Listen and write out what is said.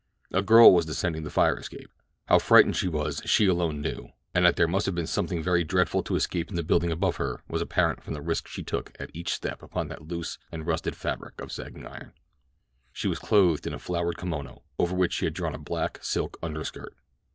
A girl was descending the fire escape. How frightened she was she alone knew and that there must have been something very dreadful to escape in the building above her was apparent from the risk she took at each step upon that loose and rusted fabric of sagging iron. She was clothed in a flowered kimono, over which she had drawn a black silk underskirt.